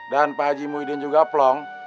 dan pak haji muhyiddin juga plong